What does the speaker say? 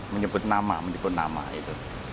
menyebut nama menyebut nama itu